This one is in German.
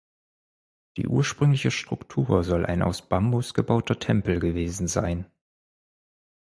Die ursprüngliche Struktur soll ein aus Bambus gebauter Tempel gewesen sein.